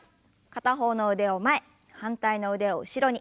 片方の腕を前反対の腕を後ろに。